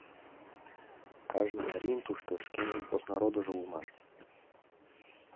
Кажне марийын тушто шкенжын посна родыжо улмаш.